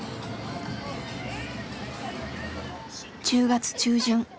１０月中旬。